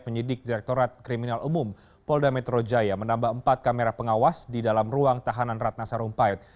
penyidik direktorat kriminal umum polda metro jaya menambah empat kamera pengawas di dalam ruang tahanan ratna sarumpait